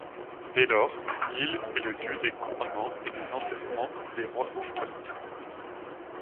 Dès lors, l'île est le lieu des couronnements et des enterrements des rois scots.